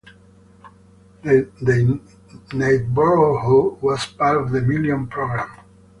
The neighbourhood was part of the Million Programme.